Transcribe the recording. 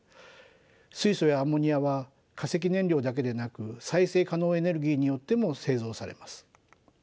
水素やアンモニアは化石燃料だけでなく再生可能エネルギーによっても製造されます。